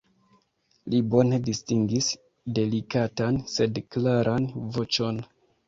Li bone distingis delikatan, sed klaran voĉon.